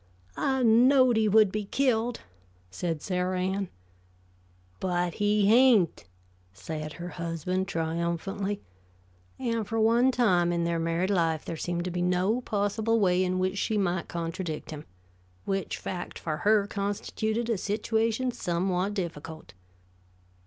"I knowed he would be killed," said Sarah Ann. "But he hain't," said her husband, triumphantly. And for one time in their married life there seemed to be no possible way in which she might contradict him, which fact for her constituted a situation somewhat difficult.